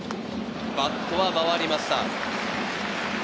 バットは回りました。